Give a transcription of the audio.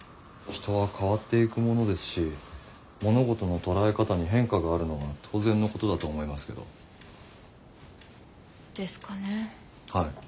人は変わっていくものですし物事の捉え方に変化があるのは当然のことだと思いますけど。ですかねぇ。